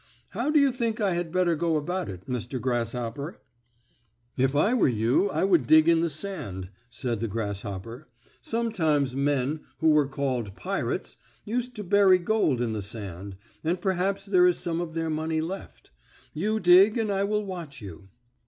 "How do you think I had better go about it, Mr. Grasshopper?" "If I were you I would dig in the sand," said the grasshopper. "Sometimes men, who were called pirates, used to bury gold in the sand, and perhaps there is some of their money left. You dig and I will watch you."